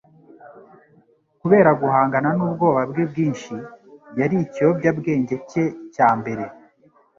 Kubera guhangana nubwoba bwe bwinshi, yariye ikiyobyabwenge cye cya mbere.